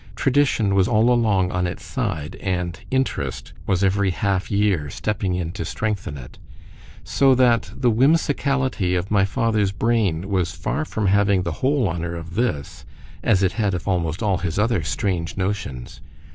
——TRADITION was all along on its side, and INTEREST was every half year stepping in to strengthen it; so that the whimsicality of my father's brain was far from having the whole honour of this, as it had of almost all his other strange notions.